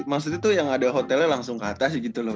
maksudnya tuh yang ada hotelnya langsung ke atas gitu loh